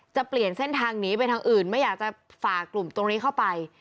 จะเปลี่ยนเส้นทางหนีไปทางอื่นไม่อยากจะฝ่ากลุ่มตรงนี้เข้าไป